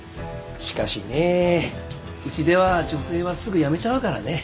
しかしねえうちでは女性はすぐ辞めちゃうからね。